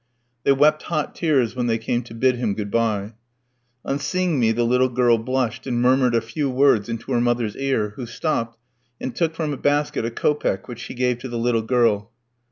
They wept hot tears when they came to bid him good bye. On seeing me the little girl blushed, and murmured a few words into her mother's ear, who stopped, and took from a basket a kopeck which she gave to the little girl.